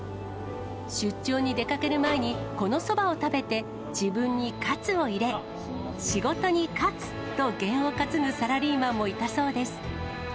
出張に出かける前に、このそばを食べて、自分に活を入れ、仕事に勝つと験を担ぐサラリーマンもいたそうです。